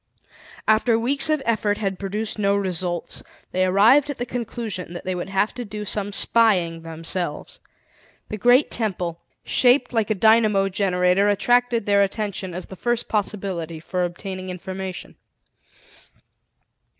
After weeks of effort had produced no results, they arrived at the conclusion that they would have to do some spying themselves. The great temple, shaped like a dynamo generator attracted their attention as the first possibility for obtaining information.